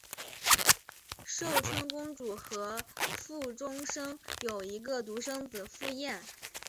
寿春公主和傅忠生有一个独生子傅彦。